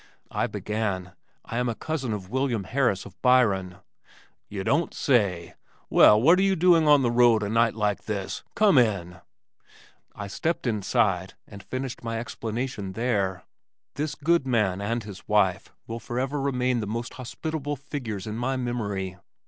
I began, "I am a cousin of William Harris of Byron " "You don't say! Well, what are you doing on the road a night like this? Come in!" I stepped inside and finished my explanation there. This good man and his wife will forever remain the most hospitable figures in my memory.